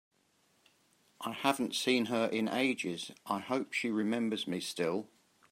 I haven’t seen her in ages, and I hope she remembers me still!